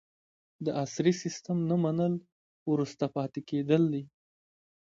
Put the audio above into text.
د عصري سیستم نه منل وروسته پاتې کیدل دي.